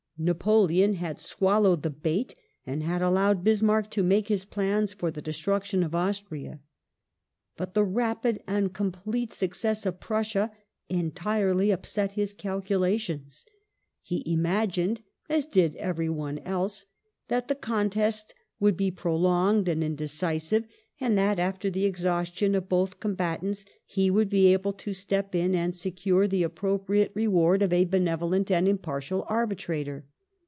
Napoleon had swallowed the bait, and had allowed Bismarck to make his plans for the destruc tion of Austria. But the rapid and complete success of Prussia entirely upset his calculations. He imagined — as did every one else — that the contest would be prolonged and indecisive, and that, after the exhaustion of both combatants, he would be able to step in and secure the appropriate reward of a benevolent and impartial arbitrator.